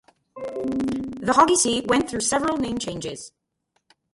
"The Hoggyssey" went through several name changes.